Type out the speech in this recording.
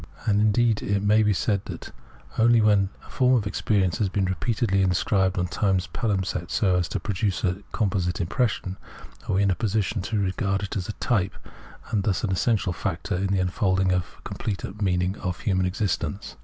And, indeed, it may be said that only when a form of experience has been repeatedly in sc]?ibed upon time's pahmpsest so as to produce a composite impression, are we in a position to regard it as a type, and thus an essential factor in the unfolding of the complete meaning of human experience.